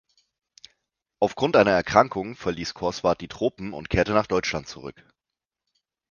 Aufgrund einer Erkrankung verließ Corswant die Tropen und kehrte nach Deutschland zurück.